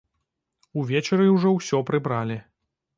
Увечары ўжо ўсё прыбралі.